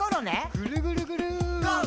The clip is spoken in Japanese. ぐるぐるぐる。